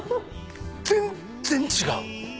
全然違う！